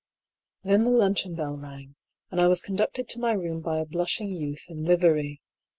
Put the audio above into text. Then the luncheon bell rang, and I was conducted to my room by a blushing youth in livery.